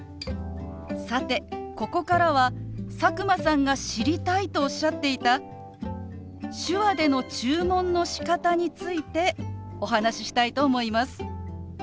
さてここからは佐久間さんが知りたいとおっしゃっていた手話での注文のしかたについてお話ししたいと思います。